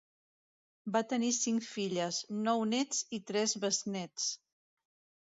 Van tenir cinc filles, nou néts i tres besnéts.